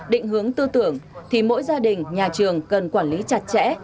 định hướng tư tưởng thì mỗi gia đình nhà trường cần quản lý chặt chẽ